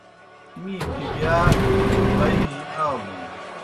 می پھپِیا دوبئی جیْ آلُن۔